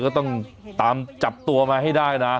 ก็ต้องตามจับตัวมาให้ได้นะ